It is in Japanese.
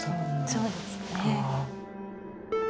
そうですね。